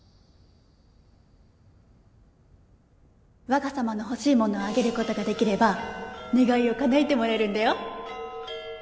わが様の欲しい物あげることができれば願いをかなえてもらえるんだよ